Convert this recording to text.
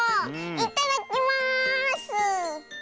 いただきます！